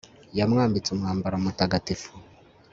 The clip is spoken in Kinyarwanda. yamwambitse umwambaro mutagatifu